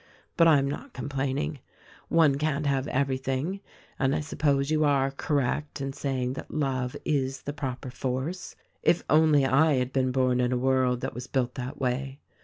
But I am not complaining. One can't have everything ; and I suppose you are correct in saying that love is the proper force — if only I had been born in a world that was built that way!